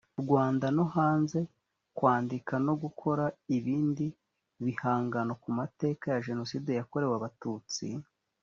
rwanda no hanze kwandika no gukora ibindi bihangano ku mateka ya jenoside yakorewe abatutsi